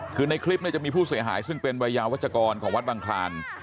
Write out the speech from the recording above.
คือในคลิปจะมีผู้เสียหายซึ่งเป็นวัยยาวัชกรของวัดบังคลาน